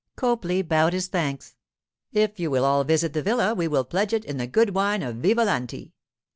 Copley bowed his thanks. 'If you will all visit the villa we will pledge it in the good wine of Vivalanti.